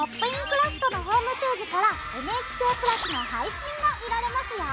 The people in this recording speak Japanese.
クラフト」のホームページからＮＨＫプラスの配信が見られますよ！